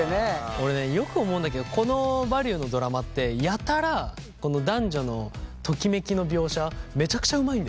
俺ねよく思うんだけどこの「バリュー」のドラマってやたらこの男女のときめきの描写めちゃくちゃうまいんだよね。